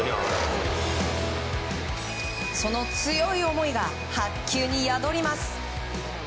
その強い思いが白球に宿ります。